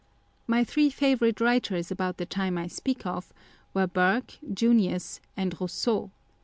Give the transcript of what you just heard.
My three favourite writers about the time I speak of were Burke, Junius, and Rousseau.